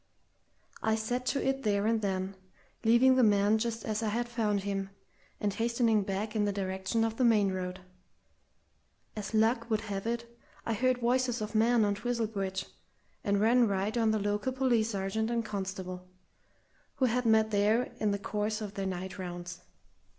I set to it there and then, leaving the man just as I had found him, and hastening back in the direction of the main road. As luck would have it, I heard voices of men on Twizel Bridge, and ran right on the local police sergeant and a constable, who had met there in the course of their night rounds.